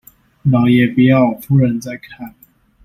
老爺不要夫人在看